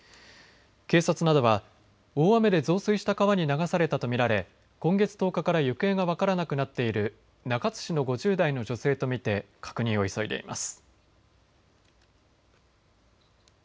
警察などは大雨で増水した川に流されたと見られ今月１０日から行方が分からなくなっている中津市の５０代の女性と見て確認を急いでいます。